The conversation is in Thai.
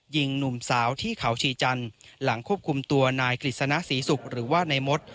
หนุ่มสาวที่เขาชีจันทร์หลังควบคุมตัวนายกฤษณะศรีศุกร์หรือว่านายมด